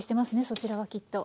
そちらはきっと。